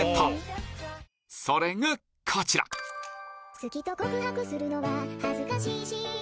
好きと告白するのは恥ずかしいし